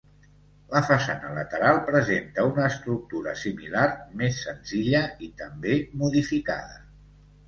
La façana lateral presenta una estructura similar, més senzilla, i també modificada.